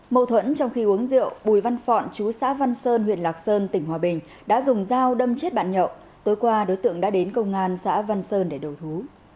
mâu thuẫn trong khi uống rượu bùi văn phọn chú xã văn sơn huyện lạc sơn tỉnh hòa bình đã dùng dao đâm chết bạn nhậu tối qua đối tượng đã đến công an xã văn sơn để đầu thú